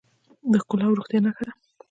د ښکلا او روغتیا نښه ده.